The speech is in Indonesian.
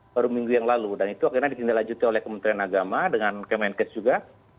baru minggu yang lalu dan itu akhirnya ditindaklanjuti oleh kementerian agama dengan kemenkes juga